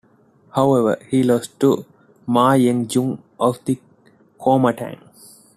However, he lost to Ma Ying-jeou of the Kuomintang.